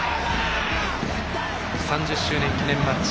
３０周年記念マッチ